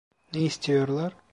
Ne istiyorlar?